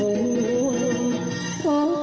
กลับมาเท่าไหร่